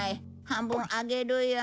半分あげるよ。